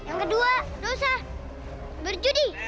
yang kedua dosa berjudi